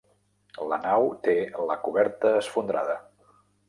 La nau té la coberta esfondrada.